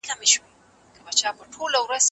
د ګروپ رڼا کله کله تته کېده.